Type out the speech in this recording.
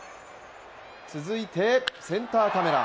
続いて、センターカメラ。